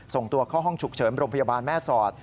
ส่งตัวเข้าห้องฉุกเฉินโรงพยาบาลแม่สอด